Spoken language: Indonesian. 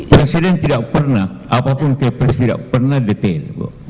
presiden tidak pernah apapun kepres tidak pernah detail